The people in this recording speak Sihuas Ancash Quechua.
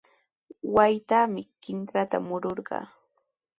Waytatami qintrantraw mururqaa.